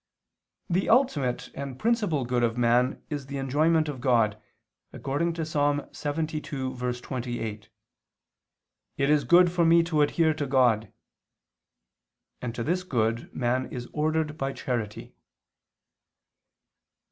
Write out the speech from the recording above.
The ultimate and principal good of man is the enjoyment of God, according to Ps. 72:28: "It is good for me to adhere to God," and to this good man is ordered by charity.